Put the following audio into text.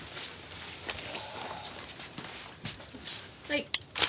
はい。